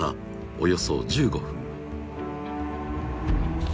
およそ１５分